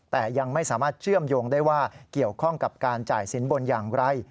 แต่ยังไม่สามารถเชื่อมโยงได้ว่าเกี่ยวข้องกับการจ่ายสินบนอย่างไร